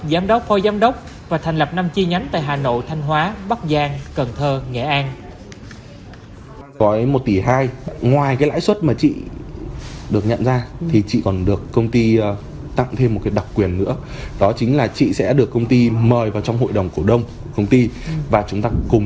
giám đốc phó giám đốc và thành lập năm chi nhánh tại hà nội thanh hóa bắc giang cần thơ nghệ an